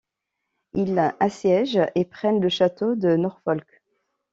Ils assiègent et prennent le château de Norfolk.